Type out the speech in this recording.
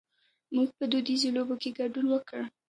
مونږ په دودیزو لوبو کې ګډون وکړ.